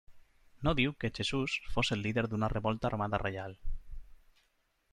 No diu que Jesús fos el líder d'una revolta armada reial.